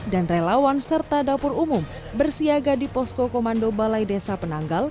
dan relawan serta dapur umum bersiaga di posko komando balai desa penanggal